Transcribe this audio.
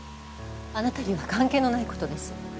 あなたには関係のないことです。